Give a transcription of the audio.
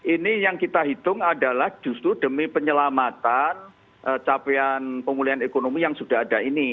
ini yang kita hitung adalah justru demi penyelamatan capaian pemulihan ekonomi yang sudah ada ini